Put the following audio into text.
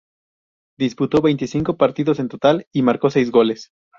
Disputó veinticinco partidos en total y marcó seis goles.